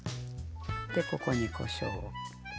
でここにこしょうを。